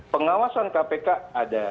pengawasan kpk ada